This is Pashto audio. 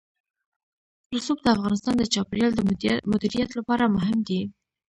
رسوب د افغانستان د چاپیریال د مدیریت لپاره مهم دي.